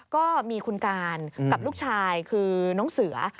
ก็มีคุณการกับลูกชายคือน้องเสือ